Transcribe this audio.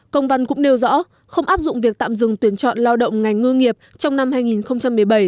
công văn cũng nêu rõ không áp dụng việc tạm dừng tuyển chọn lao động ngành ngư nghiệp trong năm hai nghìn một mươi bảy